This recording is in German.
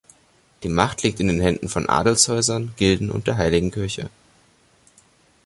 Die Macht liegt in den Händen von Adelshäusern, Gilden und der Heiligen Kirche.